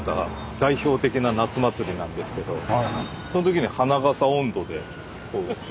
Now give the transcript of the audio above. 代表的な夏祭りなんですけどそのときに「花笠音頭」で。